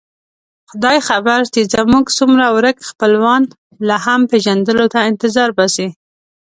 خدای خبر چې زموږ څومره ورک خپلوان لا هم پېژندلو ته انتظار باسي.